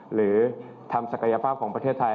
หรือทำศักยภาพของประเทศไทย